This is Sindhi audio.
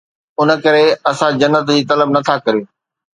ان ڪري اسان جنت جي طلب نٿا ڪريون